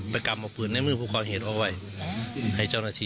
ต้อนรับเพื่อนนิ่งประจักรนัดอะไรอย่างนี้สิ